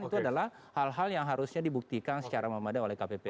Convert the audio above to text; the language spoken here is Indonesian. itu adalah hal hal yang harusnya dibuktikan secara memadai oleh kppu